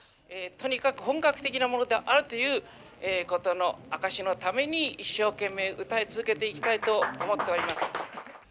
とにかく本格的なものであるということの証しのために一生懸命歌い続けていきたいと思っております。